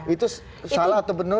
itu salah atau benar